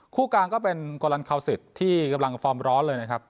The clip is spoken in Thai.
คู่กลางก็เป็นกอลันเคาซิตที่กำลังกระฟอร์มร้อนเลยนะครับ